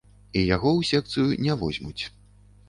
І яго ў секцыю не возьмуць.